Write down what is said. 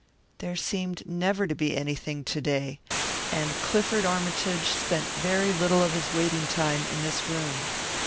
There seemed never to be anything to day, and Clifford Armytage spent very little of his waiting time in this room.